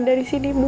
dari sini bu